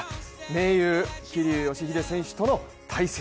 盟友・桐生祥秀選手との対決